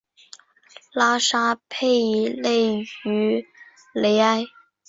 拉沙佩勒于雷埃。